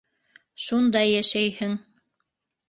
Шунда йәшәйһең.